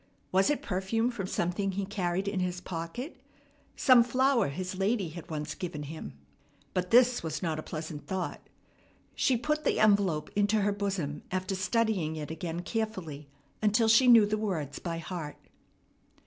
Was it perfume from something he carried in his pocket, some flower his lady had once given him? But this was not a pleasant thought. She put the envelope into her bosom after studying it again carefully until she knew the words by heart.